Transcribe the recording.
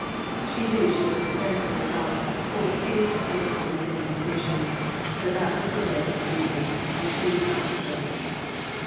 She knew she was preparing for herself whole seas of difficulties and temptations, but that was the way of duty, and she would not shrink.